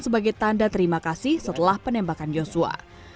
sebagai tanda terima kasih setelah penembakan yosua